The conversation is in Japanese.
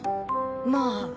まあ。